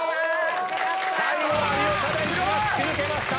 最後は有岡大貴が突き抜けました！